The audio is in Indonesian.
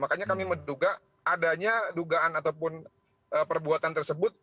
makanya kami menduga adanya dugaan ataupun perbuatan tersebut